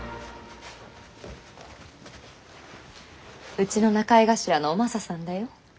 うちの仲居頭のおマサさんだよ。